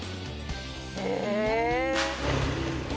「へえ！」